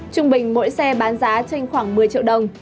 trung bình mỗi xe bán giá trên khoảng một mươi triệu đồng